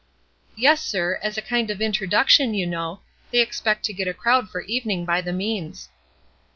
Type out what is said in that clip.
"Yes, sir, as a kind of introduction, you know; they expect to get a crowd for evening by the means."